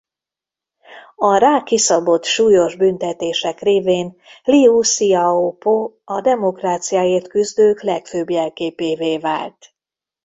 A rá kiszabott súlyos büntetések révén Liu Hsziao-po a demokráciáért küzdők legfőbb jelképévé vált.